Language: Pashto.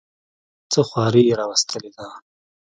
څه خواري یې راوستلې ده.